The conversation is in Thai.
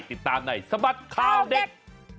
ติดตามในสบัดข่าวเด็ก